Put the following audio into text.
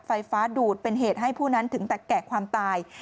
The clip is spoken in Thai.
ไฟฟ้าดูดเป็นเหตุให้ผู้นั้นถึงแต่แกะความตาย